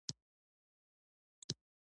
ایا زه باید وګورم؟